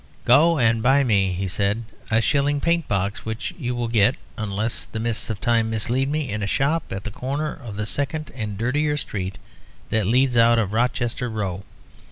"Go and buy me," he said, "a shilling paint box, which you will get, unless the mists of time mislead me, in a shop at the corner of the second and dirtier street that leads out of Rochester Row.